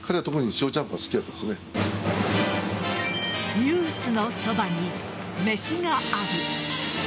「ニュースのそばに、めしがある。」